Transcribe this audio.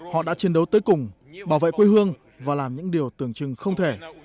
họ đã chiến đấu tới cùng bảo vệ quê hương và làm những điều tưởng chừng không thể